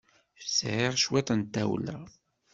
Sɛiɣ cwiṭ n tawla.